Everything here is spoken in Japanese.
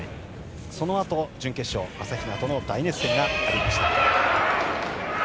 そのあと準決勝朝比奈との大熱戦がありました。